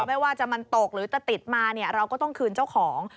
ไม่ว่าจะมันตกหรือจะติดมาเนี่ยเราก็ต้องคืนเจ้าของ